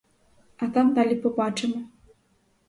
А там далі побачимо.